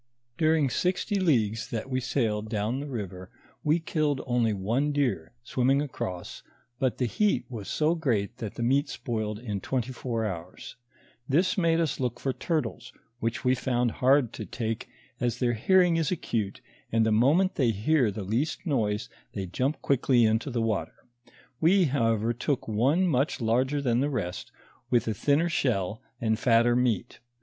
During sixty leagues that we sailed down the river, we killed only one deer, swimming across, but the heat was so great that the meat spoiled in twenty four houre. This made us look for turtles, which we found hard to take, as their hear ing is acute, and the moment they hear the least noise, they jump quickly into the water. We, however, took one much larger than the rest, with a thinner shell and fatter meat.